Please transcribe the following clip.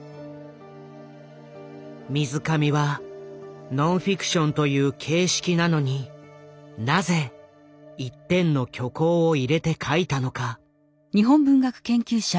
水上はノンフィクションという形式なのになぜ一点の虚構を入れて書いたのか。